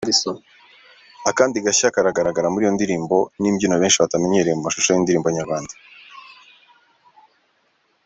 Akandi gashya kagaragara muri iyo ndirimbo n’imbyino benshi batamenyereye mu mashusho y’indirimbo Nyarwanda